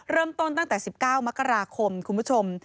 เริ่มต้นตั้งแต่๑๙มกราคมคุณผู้ชม